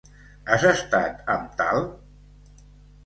Has estat amb tal?